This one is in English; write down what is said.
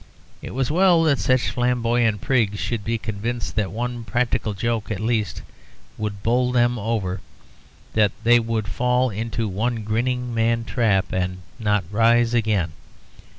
It was well that such flamboyant prigs should be convinced that one practical joke, at least, would bowl them over, that they would fall into one grinning man trap, and not rise again.